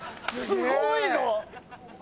すごいよ！